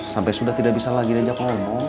sampai sudah tidak bisa lagi reja pomo